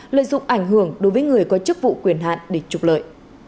lợi dụng ảnh hưởng đối với người có chức vụ quyền hạn để trục lợi